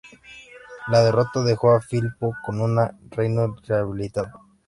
La derrota dejó a Filipo con un reino debilitado.